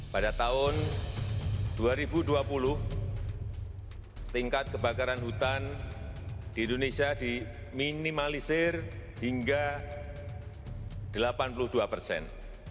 pada tahun dua ribu dua puluh tingkat kebakaran hutan di indonesia diminimalisir hingga delapan puluh dua persen